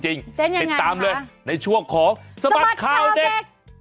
เต้นยังไงนะคะติดตามเลยในช่วงของสบัดข่าวเด็ก